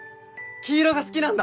黄色が好きなんだ！